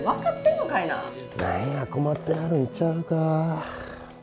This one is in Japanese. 何や困ってはるんちゃうか？